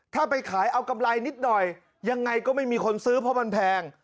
ถ้าไปขายเอากำไรนิดหน่อยยังไงก็ไม่มีคนซื้อเพราะมันแพง